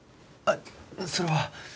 あっそれは。